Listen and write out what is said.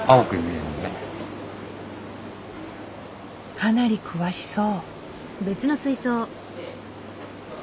かなり詳しそう。